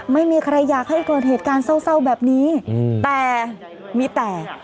ไม่มีใครอยากให้เกิดเหตุการณ์เศร้าแบบนี้แต่มีแต่